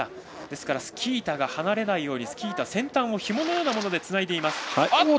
スキー板が離れないようにスキー板の先端をひものようなものでつないでいます。